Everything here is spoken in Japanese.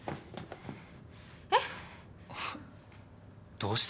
えっ？